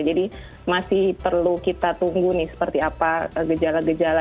jadi masih perlu kita tunggu nih seperti apa gejala gejala